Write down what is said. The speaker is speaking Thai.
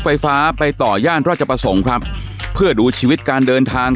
ไฟฟ้าไปต่อย่านราชประสงค์ครับเพื่อดูชีวิตการเดินทาง